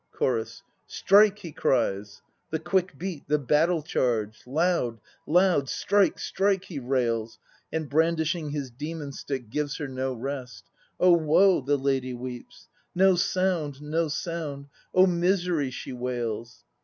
CHORUS. "Strike!" he cries; 'The quick beat, the battle charge! Loud, loud! Strike, strike," he rails, And brandishing his demon stick Gives her no rest. "Oh woe!" the lady weeps, "No sound, no sound. Oh misery!" she wails.